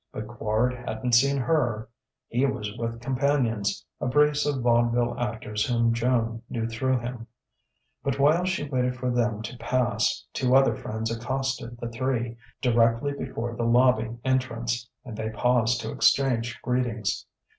But Quard hadn't seen her. He was with companions, a brace of vaudeville actors whom Joan knew through him. But while she waited for them to pass, two other friends accosted the three, directly before the lobby entrance, and they paused to exchange greetings.